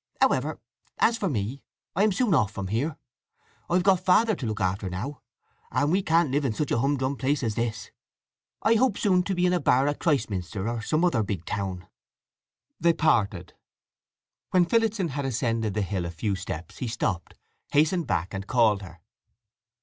However, as for me, I am soon off from here. I've got Father to look after now, and we can't live in such a hum drum place as this. I hope soon to be in a bar again at Christminster, or some other big town." They parted. When Phillotson had ascended the hill a few steps he stopped, hastened back, and called her.